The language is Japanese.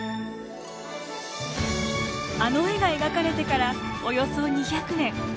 あの絵が描かれてからおよそ２００年。